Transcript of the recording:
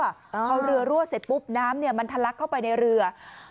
พอเรือรั่วเสร็จปุ๊บน้ำมันทะลักเข้าไปในเรือ